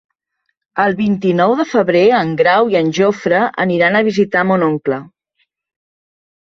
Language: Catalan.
El vint-i-nou de febrer en Grau i en Jofre aniran a visitar mon oncle.